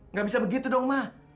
nggak bisa begitu dong mah